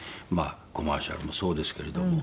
コマーシャルもそうですけれども。